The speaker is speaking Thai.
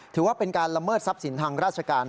ถือว่าเป็นการละเมิดทรัพย์สินทางราชการ